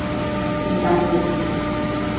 İmkansız.